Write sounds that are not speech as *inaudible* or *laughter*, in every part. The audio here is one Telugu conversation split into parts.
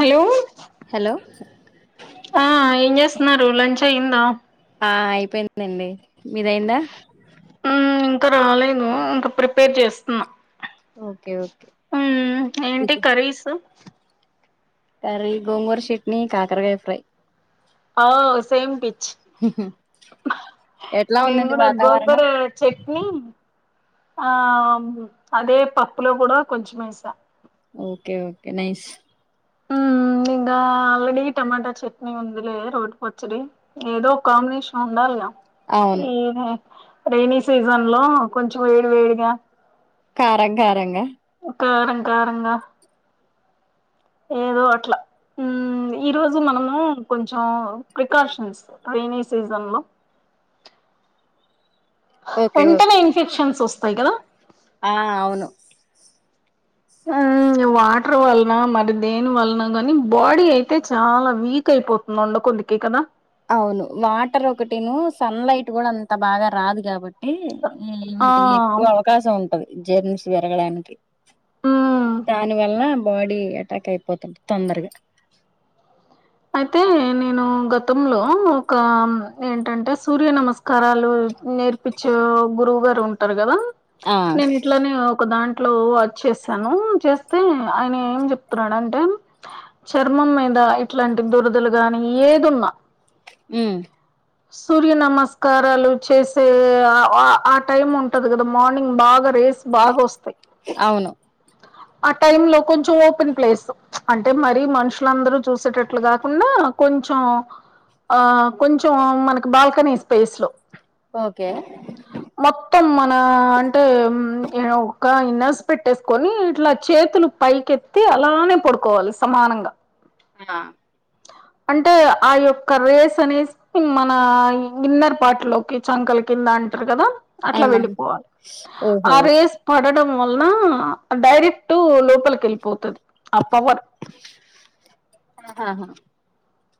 హయో హలో ఆ ఏన్ జేస్సన్నారు లంచ్ అయిందా. ఆ అయిపేందండి మీదైందా. మ్మ్ ఇంకా రాలేదు ఇంకా ప్రిపేర్ జేస్సున్నా ఓకే ఓకే తేల్సు కర్రీ గోంగూర శెట్ని కాకర్కాయ్ ఫ్రై అ సేమ్ పిచ్ ఎట్లా నేను ఉందండి గూడా వాతావరణం గోంగుర చె ని ఆం అదే పప్పులో కూడా కొంచమేసా ఓకే ఓకే నైస్ ఉమ్ ఇంగా ఆల్రెడి టమాటా చట్నీ ఉందిలే రోట్ పచ్చడి. ఏదో ఒ కాంబినేషన్ ఉండలిగా అవును ఏం లే రైనీ సీజన్ లో కొంచం వేడి వేడిగా కారం కారంగా ఒ కారం కారంగా ఏదో అట్లా ఉమ్ ఈ రోజు మనము కొంచావ్ ప్రికాషన్స్ రైైని సీజన్ లో ఓకే వెంటనే ఓకే ఇన్ఫెక్షన్స్ ఒస్తే కద ఆ అవును ఉమ్ వాటర్ వల్న మరి దేని వల్నో గానీ బోడి అయితే చాలా వీక్ అయిపో మండు కొంది కికేనా అవును వాటర్ ఒకటిను సన్లైట్ గుడా అంత బాగా రాదు కాబట్టి ఈ ఉ ఆ వీటికి ఎక్వ అవకాశం ఉంటది జర్నీస్ వేరగడానికి మ్మ్ దాని వల్ల బాడీ అటాక్ అయిపోతుంది తొందరగా అయితే నేను గతంలో ఒక ఏంటంటే సూర్య నమస్ కరాలూ నేర్పించే గురువు గారు ఉంటరు గదా ఆ నేను ఇట్లానే ఒక దాన్ ట్లో అచ్చేసాను చేస్తే ఆయిన ఏం జేప్తున్నాడంటే చర్మం మీద ఇట్లాంటి దురదలు గానీ ఏదున్నా ఉ *inaudible* సూర్య నమస్కారాలు చేసే ఆ వ ఆ టైం ఉంటది గదా మొనింగ్ బాగా రేసి బాగొస్తయ్ అవును ఆ టైమ్ లో కొంచం ఓపెన్ ప్లేసు అంటే మరీ మనుషులందరూ చూసేట్టు అట్లా గాకూంనా కొంచవ్ ఆ కొంచవ్ మనకి బాల్కనీ స్పేస్ లో ఓకే *inaudible* మొత్తం మనా అంటే ఉమ్ ఒక ఇన్నస్ పెట్టేస్కొనీ ఇట్లా చేతులు పైకెత్తి అలానే పడుకోవాలి సమానంగా ఆ అంటే ఆ యొక్క రేస్ అని మన ఇన్నర్ పార్ట్ లోకి చంకల కింద అంటారు కదా ఆ అట్లా వెళ్ళిపోవాలి ఓహో అవి పడడం వలన డైరెక్ట్ లోపలికి వెళ్ళిపోతుంది ఆ పవర్ ఆహాహా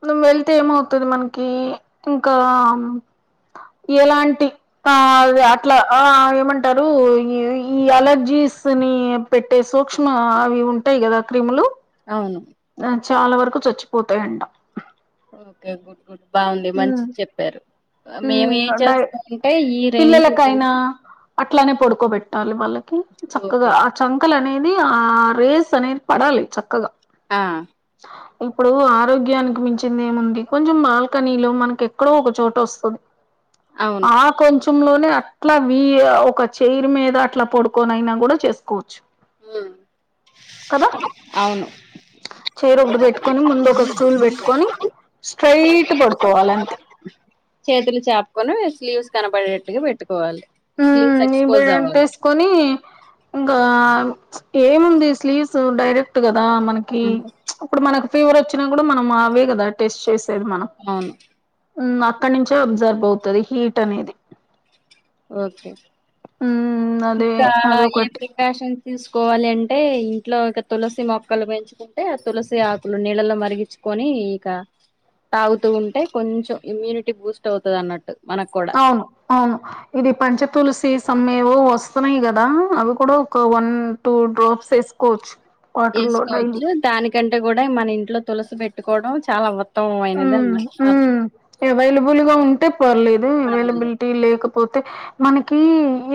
నవ్వు వెళ్తే ఏమవుతుది మనకి ఇంకా ఎలాంటి ఆ అ అట్లా ఏమంటారు ఈ ఈ అలర్జీస్ ని పెట్టే సూక్ష్మ అవి ఉంటాయి కదా క్రిములు అవును చాలా వరకు చచ్చిపోతాయంట ఓకే గుడ్ గుడ్ బాగుంది మంచి ఉమ్ చెప్ చెప్పారు మేము ఉమ్ ఏం డై చేస్తామంటే ఈ రైనీ సీజన్ పిల్లలకైనా అట్లానే పడుకోబెట్టాలి వాళ్ళకి చక్కగా ఓకే ఆ చ మక్కల అనేది ఆ రేస్ అనేది పడాలి చక్కగా ఆ స ఇప్పుడు ఆరోగ్యానికి మించింది ఏముంది కొంచెం బాల్కనీ లో మనకి ఎక్కడో ఒక చోట వస్తుంది అవును *inaudible* ఆ కొంచెం లోనే అట్లా వ ఒక చెైరు మీద అట్లా పడుకొనైనా కూడా చేసుకోవచ్చు కదా అవును చైర్ ఒకటి పెట్టుకొని ముందు ఒక స్టూల్ పెట్టుకొని స్ట్రైట్ పడుకోవాలి అంతే చేతులు చాపుకొని స్లీవ్స్ కనబడేట్టుగా పెట్టుకోవాలి స్లీవ్స్ ఎక్స్పోజ్ అవ్వాలి కని ఇంకా ఏముంది స్లీవ్స్ డైరెక్ట్ కదా మనకి హ్మ్. ఊ ఇప్పుడు మనకి ఫీవర్ వచ్చినా కూడా మనం అవే కదా టెస్ట్ చేసేవి మనం అవును అక్కడ నుంచే అబ్జర్బ్ అవుతది హీట్ అనేది ఓకే ఉమ్ అదే ఇంకా అది ఒకటి ఏమి ఫ్యాషన్ తీసుకోవాలి అంటే ఇంట్లో ఒక తులసి మొక్కలు పెంచుకుంటే ఆ తులసి ఆకులు నీళ్ళలో మరిగించి కొని ఇక తాగుతూ ఉంటే కొంచెం ఇమ్యూనిటీ బూస్ట్ అవుతుంది అన్నట్టు మనకు కూడా అవును అవును ఇది పంచ తలసి సమ్ ఏవో వస్తున్నాయి కదా అవి కూడా ఒక వన్ టూ డ్రాప్స్ వేసుకోవచ్చు వేసుకోవచ్చు దానికంటే కూడా మన ఇంట్లో తులసి పెట్టుకోవడం చాలా ఉత్త ఉమ్ ఉమ్ అవైలబుల్గా ఉంటే పర్లేదు పర్వాలేదు అవైలబిలిటీ లేకపోతే మనకి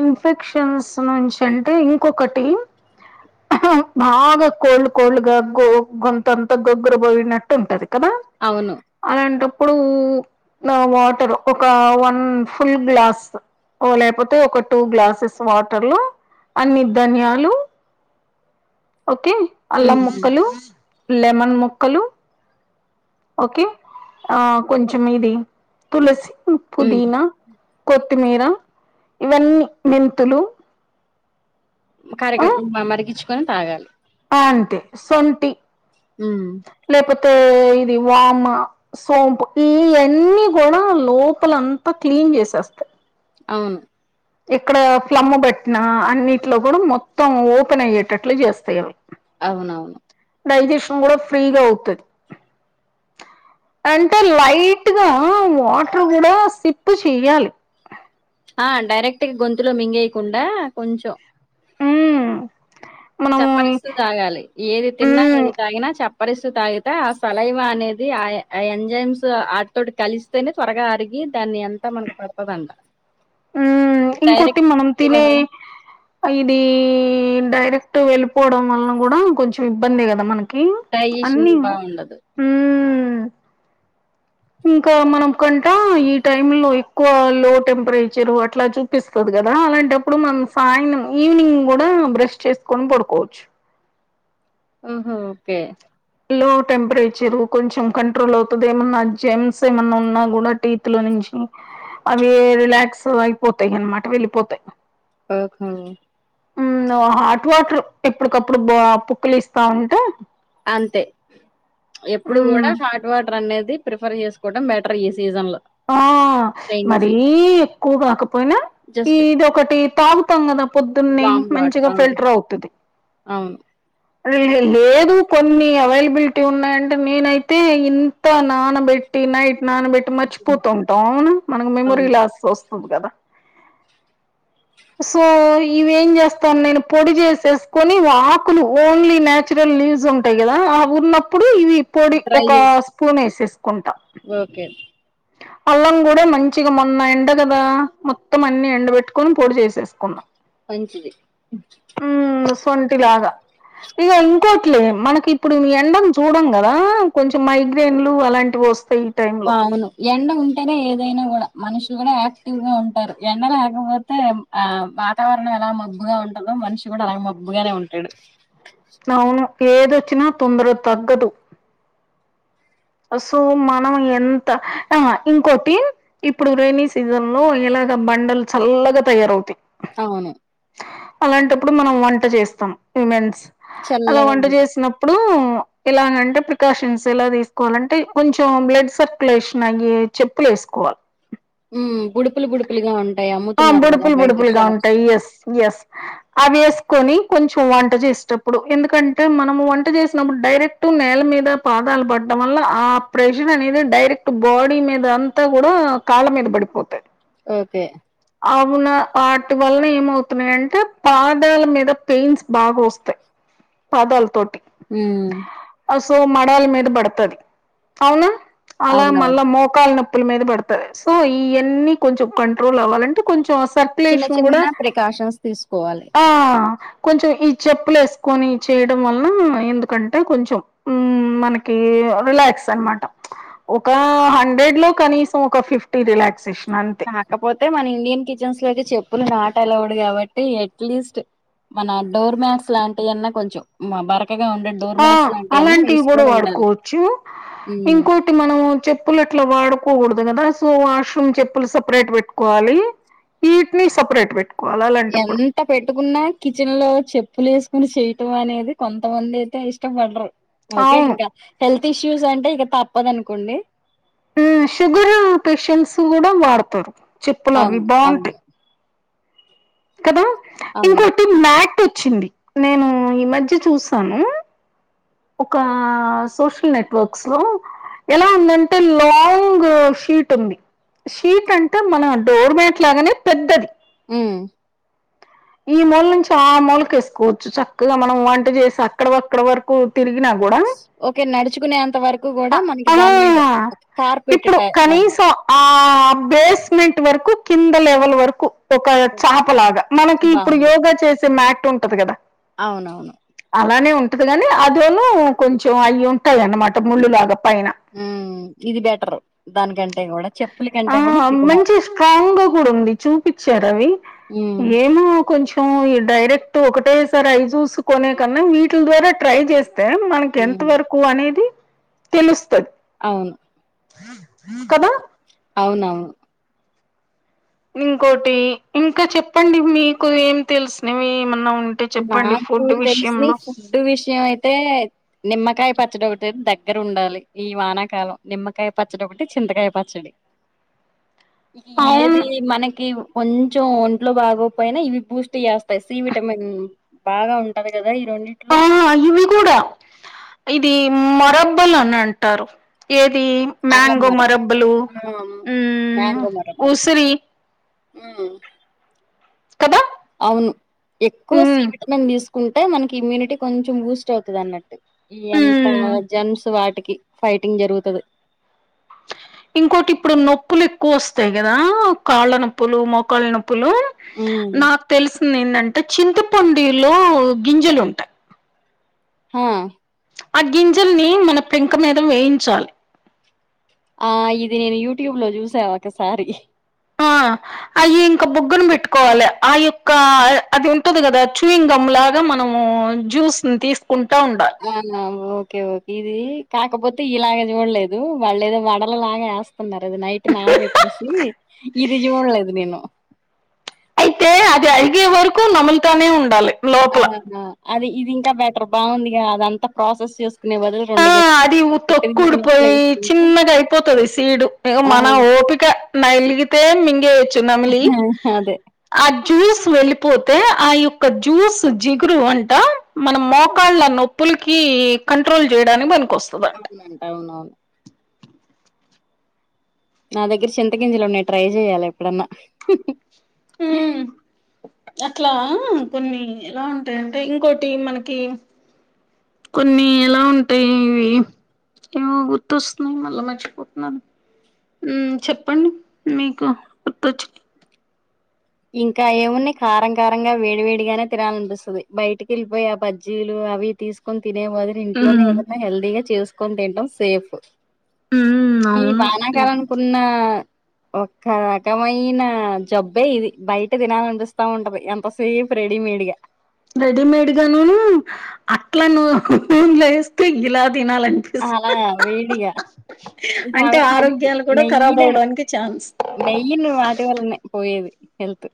ఇన్ఫెక్షన్స్ నుంచి అంటే ఇంకొకటి బాగా కోల్డ్ కోల్డ్గా గొంతంత గొగ్గుర పోయినట్టు ఉంటది కదా అవును అలాంటప్పుడు వాటర్ ఒక వన్ ఫుల్ గ్లాస్ లేకపోతే ఒక టూ గ్లాసెస్ వాటర్ లో అన్ని ధన్యాలు ఓకే అల్లం ఉమ్ ముక్కలు లెమన్ ముక్కలు ఓకే ఆ కొంచం ఇది తులసి ఉమ్ పుదీనా కొత్తిమీర ఇవన్నీ మెంతులు ఆ కరగవు మరిగిచ్చుకొని తాగాలి అంతే సొంటి ఉమ్ లేపోతే ఇది వామ సోంపు ఇయన్నీ కూడా లోపలంతా క్లీన్ చేసేస్తాయి అవును ఇక్కడ ఫ్లమ్ము పెట్టిన అన్నిట్లో కూడా మొత్తం ఓపెన్ అయ్యేటట్లు చేస్తాయి అవునవును డైజెషన్ కూడా ఫ్రీగా అవుతది అంటే లైట్ గా వాటర్ కూడా సిప్ చెయాలి ఆ డైరెక్ట్ గ గొంతులో మింగేయకుండా కొంచెం హ్మ్ చప్పరిస్తు తాగాలి ఏది తిన్నా ఉమ్, ఏది తాగినా చప్ప పరిస్తు తాగితే ఆ సలైవ అనేది ఆ ఎంజైమ్స్ ఆటితోటి కలిసి తేనే త్వరగా అరిగి దాన్ని ఉమ్, ఇంకోటి మనం డైరెక్ట్గా తినే ఇది డైరెక్ట్ గ వెళ్ళిపోవడం వల్లన కూడా కొంచెం ఇబ్బందే కదా మన కి డైజెషన్ అన్నీ బాగుండదు హ్మ్ ఇంకా మనం కంట ఈ టైమ్ లో ఎక్కువ లో టెంపరేచరు అట్లా చూ ప్పిస్తది కదా అలాంటప్పుడు మనం సాయనం ఈవినింగ్ కూడా బ్రష్ చేసుకొని పడుకోవచ్చు ఓహో ఓకే లో టెంపరేచర్ కొంచెం కంట్రోల్ అవుతది ఏమన్నా జెమ్స్ ఏమన్నా ఉన్నాగూడ టీ త్ లో నుంచి అవి రిలాక్స్ అయిపోతాయి అనమాట వెళ్ళిపోతాయి ఓహో హ్మ్ హాట్ వాటర్ ఎప్పుటికప్పుడు పుక్కలిస్తా ఉంటే అంతే ఎప్పుడు మ్మ్ కూడా హాట్ వాటర్ అనేది ప్రిఫర్ చేసుకోవడం బెటర్ ఈ సీజన్ లో ఆ రైైనీ మరీ సీజన్ ఎక్కువ కాకపోయినా జస్ట్ ఇది ఒకటి తాగు తాం కదా పొద్దునె వామ్ వాటర్ మంచిగా ఆ ఫిల్టర్ అవుతది అవును లేదు కొన్ని అవైలబిలిటీ ఉన్నాయంటే నేనైతే ఇన్ త్త నానబెట్టి నైట్ నానబెట్టి మర్చిపోతుంటాం మనకు మెమరీ అవును లాస్ వస్ తది కదా సో ఇవేం చేస్తాను నేను పొడి చేసేసుకొని ఆకులు ఓన్లీ నాచురల్ లీవ్స్ ఉంటాయి కదా ఆవి ఉన్నప్పుడు ఇవి పొడి ట్రై ఒక చేసి స్పూన్ వేసేసుకుంటా ఓకే అల్లం కూడా మంచిగా మొన్న ఎండ కదా మొత్తం అన్ని ఎండ పెట్టుకొని పొడి చేసేసుకునా మంచిది హ్మ్ సొంటి లాగా ఇక ఇంకోటిలే మనకి ఇప్పుడు ఎండను చూడం కదా కొంచెం మైగ్రైన్లు అలాంటివి వస్ టైం అవును ఎండ ఉంటేనే ఏదైనా కూడా మనుషులు కూడా యాక్టివ్ గా ఉంటారు ఎండ లేకపోతే ఆ వాతావరణం ఎలా మబ్బుగా ఉంటదో మనిషి కూడా అలా మబ్బుగానే ఉంటాడు అవును ఏదొచ్చినా తొందరగ తగ్గదు సో మనం ఎంత ఆ ఇంకోటి ఇప్పుడు రెైనీ సీజన్ లో ఇలాగ బండలు చల్లగా తయారవుతాయి అవును అలాంటప్పుడు మనం వంట చేస్తాం విమెన్స్ అలా చల్లగా వంట ఉంటాయి చేసిన అప్పుడు ఇలాగంటే ప్రికాషన్స్ ఎలా తీస్త కోవాలంటే కొంచెం బ్లడ్ సర్క్యులేషన్ అయ్యే చెప్పులు వేసుకోవాలి ఉమ్ బుడుపులు బుడుపులుగా ఉంటాయా ము ఆ బుడుపులు బుడుపులుగా ఉంటాయి ఎస్ ఎస్ అవి వేసుకొని కొంచెం వంట చేసేటప్పుడు ఎందుకంటే మనం వంట చేసినప్పుడు డైరెక్ట్ నేల మీద పాదాలు పడ్డం వల్ల ఆ ప్రెజన్ అనేది డైరెక్ట్ బాడీ మీద అంతా కూడా కాళ్ళ మీద పడిపోతాయి ఓకే అవున్న వాటి వలన ఏమవుతున్నాయంటే పాదాల మీద పెయిన్స్ బాగా వస్తాయి పాదాలతోటి హ సో మడాల మీద పడుతుది అవునా అలా అవునవును మళ్ళా మోకాాల నొప్పుల మీద పెడుతాయి సో ఇవన్నీ కొంచెం కంట్రోల్ అవ్వాల అంటే కొంచెం చిన్న సర్కుయులేషన్ కూడా చిన్న ప్రికాషన్స్ తీసుకోవాలి ఆ కొంచెం ఈ చెప్పులు వేసుకొని చేయడం వలన ఎందుకంటే కొంచెం ఉ మనకి రిలాక్స్ అనమాట ఒక హండ్రెడ్ లో కనీసం ఒక ఫిఫ్టీ రిలాక్సేషన్ అంతే కాకపోతే మన ఇండియన్ కిచెన్స్ లోకి చెప్పులు నాట్ అలౌడ్ కాబట్టి ఎట్లీస్ట్ మన డోర్ మ్యాట్స్ లాంటివి అన్నా కొంచెం బరకగా ఉండ ఆ అలాంటివి కూడా వాడుకోవచ్చు ఇంకో టి మనం చెప్పులు అట్లా వాడుకోకూడదు కదా సో వాష్రూమ్ చెప్పులు సపరేట్ పెట్టుకోవాలి ఈట్ని సపరేట్ పెట్ వాలి అట్ట పెట్టుకున్న కిచెన్ లో చెప్పులు వేసుకుని చెయటం అనేది కొంతమంది అయితే ఇష్టపడరు ఓకే అవును. ఇంకా హెల్త్ ఇష్యూస్ అంటే ఇక తప్పదనుకోండి షుగర్ పేషెంట్స్ కూడా వాడతారు చెప్పులు అవి అవును బాగుంటాయి అవును కదా అవును ఇంకోటి మ్యాట్ వచ్చింది నేను ఈ మధ్య చూసాను ఒక సోషల్ నెట్వర్క్స్ లో ఎలా ఉందంటే లాంగ్ షీట్ ఉంది షీట్ అంటే మన డోర్మేట్ లాగానే పెద్ద ఆ ఈ మూల నుంచి ఆ మూలకు వేసుకోవచ్చు చక్కగా మనం వంట చేసి అక్కడక్కడ వరకు తిరిగినా కూడా ఓకే నడుచుకునేంత వరకు కూడా మనకి దాని మీద ఆ కార్ పెట్టే ఇప్పుడు టైర్ లాగా కనీసం ఆ బేస్మెంట్ వరకు కింద లెవెల్ వరకు ఒక ఓకే చేపలాగా ఇప్పుడు బాగుంది యోగా చేసే మ్యాట్ ఉంటది కదా అవునవును అలానే ఉంటది కానీ అదోనూ కొంచెం అయి ఉంటాయి అన్నమాట ముళ్ళులాగా పైన ఉ ఇది బెటర్ దానికంటే కూడా చెప్పుల కంటే కూడా ఆ ఇది మంచి బాగుంటది స్ట్రాంగ్ గా కూడా ఉంది చూపించారు అవి ఉమ్ ఏమో కొంచెం డైరెక్ట్ ఒకటే సారి అవి చూసుకునే కన్నా వీటిల ద్వారా ట్రై చేస్తే మనకి ఎంత వరకు అనేది తెలుస్తుంది అవును కద అవునవును ఇంకోటి ఇంకా చెప్పండి మీకు ఏమి తెలిసినవి ఏమన్నా ఉం టే చెప్పండి ఫుడ్ విషయం ఫుడ్డు విషయం అయితే నిమ్మకాయ పచ్చడి ఒకటి దగ్గర ఉండాలి ఈ వానాకాలం. నిమ్మకాయ పచ్చడి ఒకటి, చింతకాయ పచ్చడి. అవును. ఏది మనకి కొంచెం ఒంట్లో బాగోకపోయినా ఇవి బూస్ట్ చేస్తాయి సి విటమిన్. ఉ బాగా ఉంటారు కదా ఈ రెండిట్లో. ఆ ఇవి కూడా ఇది మరబుల్ అని అంటారు, ఏది అల్లం మ్యాంగో మరబ్బ మరబ్బులు, ఆ ఉ ఉసిరి ఆ కదా అవును ఎక్కువ సి మ్మ్ విటమిన్ తీసుకుంటే మనకి ఇమ్యూనిటీ కొంచెం బూస్ట్ అవుతుది అన్నట్టు. ఎంత మ్మ్ జేమ్స్ వాటికి ఫైటింగ్ జరుగుతది. ఇంకోటి ఇప్పుడు నొప్పులు ఎక్కువ వస్తాయి కదా కాళ్ళ నొప్పులు, మోకాళ్ళ నొప్ నొప్పులు హ్మ్. నాకు తెలిసింది ఏంటంటే చింతపొండిలో గింజలు ఉంటాయి. హా ఆ గింజల్ని మన పెంక మీద వేయించాలి. ఆ ఇది నేను యూట్యూబ్ లో చూసా ఒకసారి. ఆ అయి ఇంకా బుగ్గన పెట్టుకోవాలి. ఆ యొక్క అది ఉంటది కదా చూయింగ్ గమ్ లాగా మనము జ్యూస్ ని తీసుకుంటా ఉండా అవునా ఓకే ఓకే ఇది కాకపోతే ఇలాగ చూడలేదు, వాళ్ళు ఏదో వడల లాగా ఏస్ తున్నారు అది నైట్ నానబెట్టేసి. ఇది చూడలేదు నేను. అయితే అది అరిగే వరకు నములుతానే ఉండాలి లోపల. ఆ అది ఇది ఇంకా బెటర్ బాగుందిగా అదంతా ప్రాసెస్ చేసుకునే బదులు ఆ రెండు గం అది తొక్కు ఊడిపోయి చిన్నగా అయిపోతది సీడు ఇగ ఆ! మన ఓపిక. నలిగితే మింగేయేచ్చు నమిలి. అదే ఆ జ్యూస్ వెళ్ళిపోతే ఆ యొక్క జ్యూస్ జిగురు అంట మనం మోకాళ్ళ నొప్పులకి కంట్రోల్ చేయడానికి పనికి వస్తది అం స్తుందంటా అవునవును. నా దగ్గర చింతగింజలున్నాయి ట్రై చెయ్యాలి ఎప్పుడన్నా. హ్. అట్లా కొన్ని ఎలా ఉంటాయంటే ఇంకోటి మనకి కొన్ని ఎలా ఉంటాయి ఇవి ఏమో గుర్తొస్తున్నాయి మళ్ళా మర్చి పోతున్నాను. ఉమ్ చెప్పండి మీకు గుర్తొచ్చు ఇంకా ఏమున్నాయి కారం కారంగా వేడి వేడిగానే తినాలనిపిస్తుంది, బయటికి వెళ్ళిపోయి ఆ బజ్జీలు అవి తీసు కొని తినే బదులు ఇంట్లోనే హ్మ్ ఏదైనా హెల్దీగా చేసుకొని తినటం సేఫ్. హ్మ్ ఈ అవును హ్మ్. వానాకాలనికున్నా ఒక్క రకమైన జబ్బే ఇది. బయట తినాలనిపిస్తా ఉంటది ఎంత సేపు రెడీమేడ్ గా. రెడీమేడ్ గానును అట్లా ను స్పూన్లు వేస్తే ఇలా తినాలని అలా వేడిగా ఇంక అంటే అవే మనకి ఆరోగ్యాలు కూడా ఖరాబ్ మెయిన్ అవ్వడానికి ఛాన్స్. మెయిన్ వాటి వల్లనే పోయేది హెల్త్.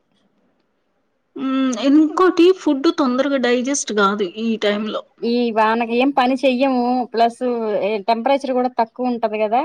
ఉమ్ ఇంకోటి ఫుడ్ తొందరగా డైజెస్ట్ కాదు ఈ టైమ్ లో ఈ వానకి ఏం పని చెయ్యము ప్లస్ టెంపరేచర్ కూడ తక్కువ ఉంటది కదా